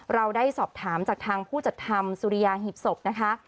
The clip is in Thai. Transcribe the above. เราได้สอบถามจากทางผู้จัดทำสุริยาหีบศพนะคะ